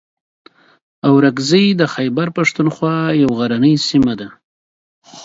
اورکزۍ د خیبر پښتونخوا یوه غرنۍ سیمه ده.